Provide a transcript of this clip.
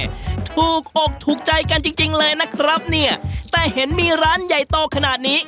ถูกอกถูกใจกันจริงจริงเลยนะครับเนี่ยแต่เห็นมีร้านใหญ่โตขนาดนี้